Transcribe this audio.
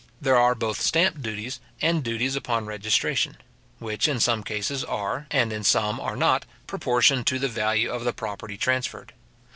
} there are both stamp duties and duties upon registration; which in some cases are, and in some are not, proportioned to the value of the property transferred.